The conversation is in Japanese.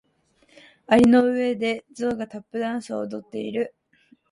蟻の上でゾウがタップダンスを踊っている。